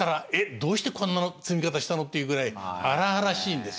どうしてこんな積み方したのっていうぐらい荒々しいんですよね。